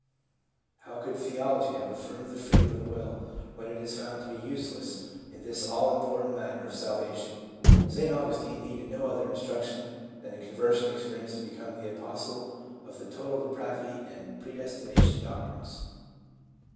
How conld theology have affirmed the freedom of the will when it is found to be useless in this all important matter of salvation t St. Augustine needed no other instruction than a conversion experience to become the apostle of the " total depravity" and "predestination" doctrines.